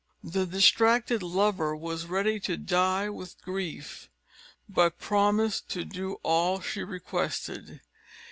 The distracted lover was ready to die with grief: but promised to do all she requested.